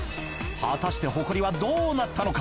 果たしてホコリはどうなったのか？